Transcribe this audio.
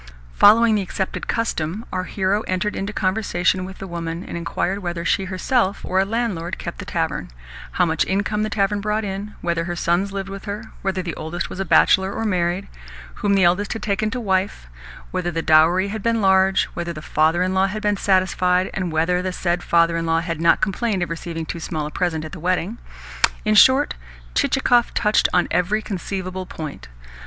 Following the accepted custom, our hero entered into conversation with the woman, and inquired whether she herself or a landlord kept the tavern; how much income the tavern brought in; whether her sons lived with her; whether the oldest was a bachelor or married; whom the eldest had taken to wife; whether the dowry had been large; whether the father in law had been satisfied, and whether the said father in law had not complained of receiving too small a present at the wedding. In short, Chichikov touched on every conceivable point.